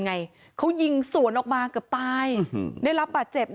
แล้วเค้ายิงส่วนออกมาเกือบตายแล้วได้รับบาดเจ็บ